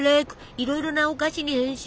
いろいろなお菓子に変身！